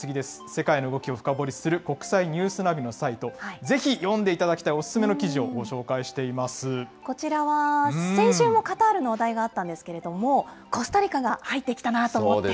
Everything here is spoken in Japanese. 世界の動きを深掘りする国際ニュースナビのサイト、ぜひ読んでいただきたいおすすめの記事をご紹こちらは先週もカタールの話題があったんですけれども、コスタリカが入ってきたなと思って。